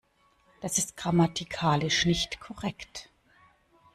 Das ist grammatikalisch nicht korrekt.